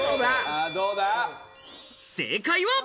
正解は。